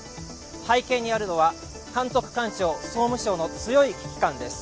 背景にあるのは監督官庁総務省の強い危機感です。